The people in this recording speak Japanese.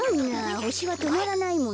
ほしはとまらないもんね。